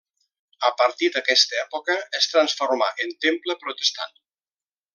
A partir d'aquesta època es transformà en temple protestant.